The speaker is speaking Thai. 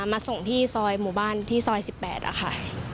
มาส่งที่ซอยหมู่บ้านที่ซอย๑๘ค่ะ